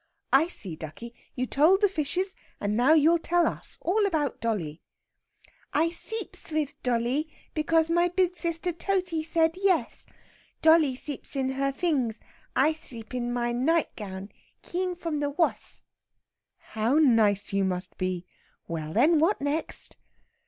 "I see, ducky. You told the fishes, and now you'll tell us all about dolly." "I seeps wiv dolly, because my bid sister Totey said 'Yes.' Dolly seeps in her fings. I seep in my nightgown. Kean from the wass " "How nice you must be! Well, then, what next?"